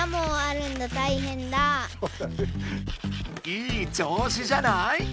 いい調子じゃない？